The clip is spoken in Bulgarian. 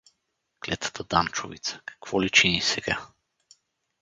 — Клетата Данчовица, какво ли чини сега?